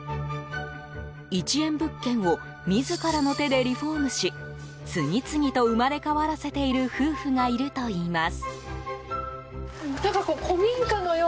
１円物件を自らの手でリフォームし次々と生まれ変わらせている夫婦がいるといいます。